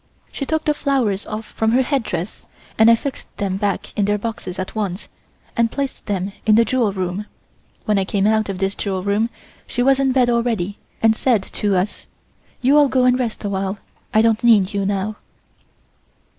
She took the flowers off from her headdress and I fixed them back in their boxes at once, and placed them in the jewel room. When I came out of this jewel room she was in bed already, and said to us: "You all go and rest a while. I don't need you now."